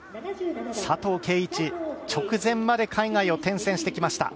佐藤慧一、直前まで海外を転戦してきました。